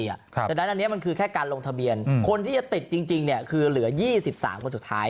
เพราะฉะนั้นอันนี้มันคือแค่การลงทะเบียนคนที่จะติดจริงคือเหลือ๒๓คนสุดท้าย